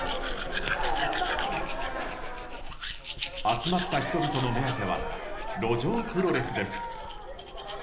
集まった人々の目当ては路上プロレスです。